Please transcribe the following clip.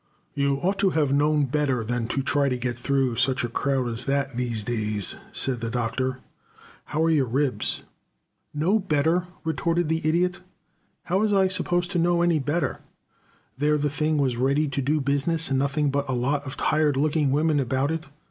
"You ought to have known better than to try to get through such a crowd as that these days," said the Doctor. "How are your ribs " "Know better?" retorted the Idiot. "How was I to know any better? There the thing was ready to do business, and nothing but a lot of tired looking women about it.